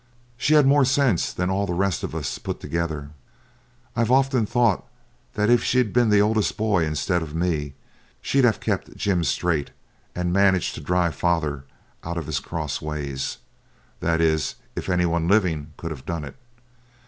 She had more sense than all the rest of us put together. I've often thought if she'd been the oldest boy instead of me she'd have kept Jim straight, and managed to drive father out of his cross ways that is, if any one living could have done it.